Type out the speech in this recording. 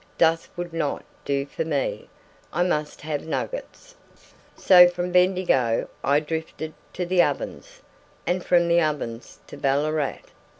Dust would not do for me I must have nuggets. So from Bendigo I drifted to the Ovens, and from the Ovens to Ballarat.